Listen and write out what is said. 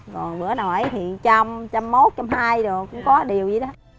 còn bữa nào ấy thì trăm trăm mốt trăm hai rồi cũng có điều gì đó